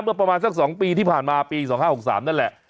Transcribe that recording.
เมื่อประมาณสัก๒ปีที่ผ่านมาปี๒๕๖๓นั่นแหละ